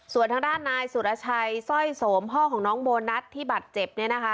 ส่วนทางด้านนายสุรชัยสร้อยโสมพ่อของน้องโบนัสที่บัตรเจ็บเนี่ยนะคะ